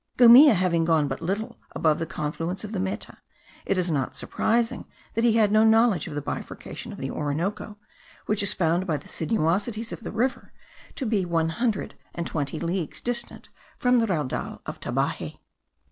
Gumilla having gone but little above the confluence of the Meta, it is not surprising that he had no knowledge of the bifurcation of the Orinoco, which is found by the sinuosities of the river to be one hundred and twenty leagues distant from the Raudal of Tabaje.